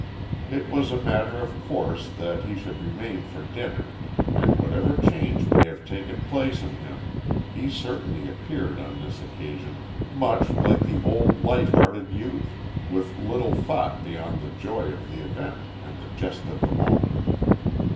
It was a matter of course that he should remain for dinner, and whatever change may have taken place in him, he certainly appeared on this occasion much like the old light hearted youth, with little thought beyond the joy of the event and the jest of the moment.